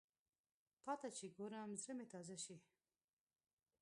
تاته چې ګورم، زړه مې تازه شي